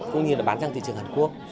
cũng như bán sang thị trường hàn quốc